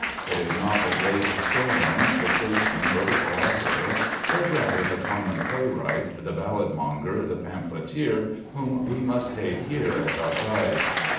It is not the grave historian, the statesman, or the philosopher, but rather the common playwright, the ballad monger, the pamphleteer, whom we must take here as our guides.